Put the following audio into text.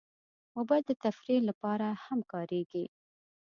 موبایل د تفریح لپاره هم کارېږي.